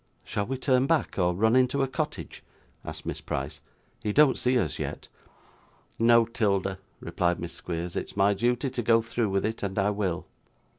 'Shall we turn back, or run into a cottage?' asked Miss Price. 'He don't see us yet.' 'No, 'Tilda,' replied Miss Squeers, 'it is my duty to go through with it, and I will!